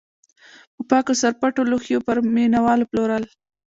په پاکو سرپټو لوښیو یې پر مینه والو پلورل.